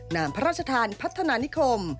นามพระราชทานพัฒนานิคม